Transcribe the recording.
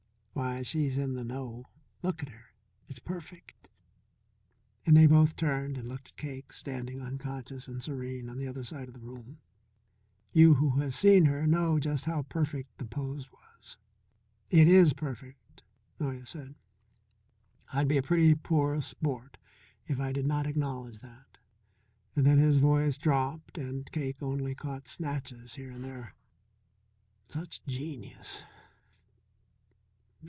Why, she's in the know. Look at her. It's perfect!" And they both turned and looked at Cake standing unconscious and serene on the other side of the room. You who have seen her know just how perfect the pose was. "It is perfect," Noyes said. "I'd be a pretty poor sport if I did not acknowledge that." Then his voice dropped and Cake only caught snatches here and there. "... such genius